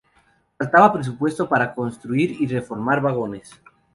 Faltaba presupuesto para construir y reformar vagones.